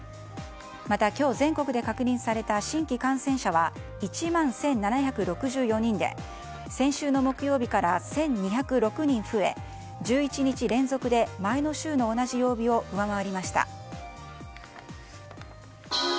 また今日全国で確認された新規感染者は１万１７６４人で先週の木曜日から１２０６人増え１１日連続で前の週の同じ曜日を上回りました。